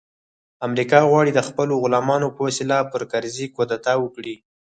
امریکا غواړي د خپلو غلامانو په وسیله پر کرزي کودتا وکړي